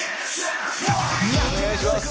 お願いします！